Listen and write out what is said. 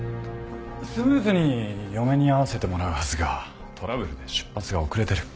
スムーズに嫁に会わせてもらうはずがトラブルで出発が遅れてる。